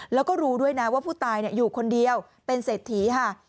แล้วก็รู้ด้วยนะว่าผู้ตายอยู่คนเดียวเป็นเศรษฐีค่ะ